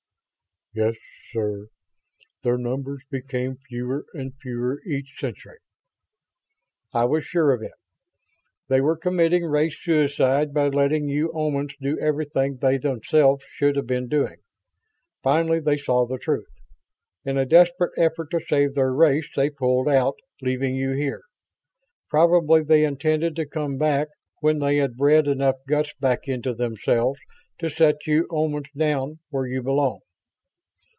"Yes, sir. Their numbers became fewer and fewer each century." "I was sure of it. They were committing race suicide by letting you Omans do everything they themselves should have been doing. Finally they saw the truth. In a desperate effort to save their race they pulled out, leaving you here. Probably they intended to come back when they had bred enough guts back into themselves to set you Omans down where you belong...."